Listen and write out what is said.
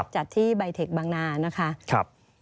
จัดที่ใบเทคบางนานะคะ